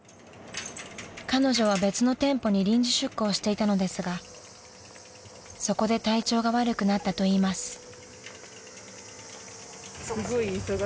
［彼女は別の店舗に臨時出向していたのですがそこで体調が悪くなったといいます］